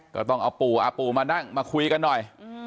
ก็ต้องเอาปู่เอาปู่มานั่งมาคุยกันหน่อย